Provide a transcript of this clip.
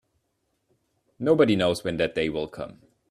Nobody knows when that day will come.